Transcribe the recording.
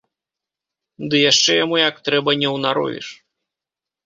Ды яшчэ яму як трэба не ўнаровіш.